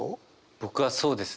僕はそうですね。